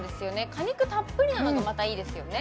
果肉たっぷりなのがまたいいですよね